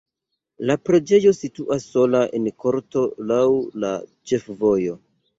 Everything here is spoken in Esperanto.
La preĝejo situas sola en korto laŭ la ĉefvojo.